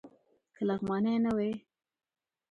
که لغمانی نه وای.